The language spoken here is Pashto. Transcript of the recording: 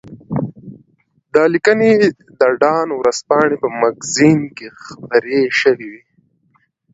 دا لیکنې د ډان ورځپاڼې په مګزین کې خپرې شوې وې.